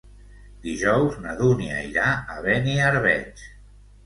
Dijous na Dúnia irà a Beniarbeig.